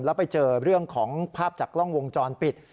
แล้วไปเจอเรื่องของภาพจากกล้องวงจรปิด